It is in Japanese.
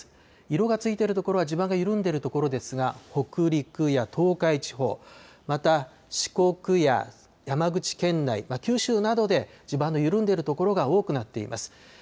色が付いている所は地盤が緩んでいるところですが北陸や東海地方、また四国や山口県内、また九州などで地盤の緩んでいる所が多くなっています。